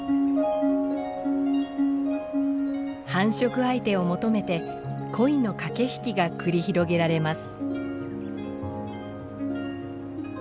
繁殖相手を求めて恋の駆け引きが繰り広げられます。